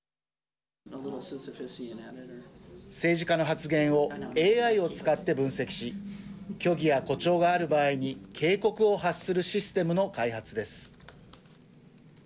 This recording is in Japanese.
政治家の発言をＡＩを使って分析し虚偽や誇張がある場合に警告を発するシステムの開発です。